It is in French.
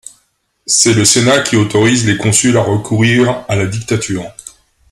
C'est le Sénat qui autorise les consuls à recourir à la dictature.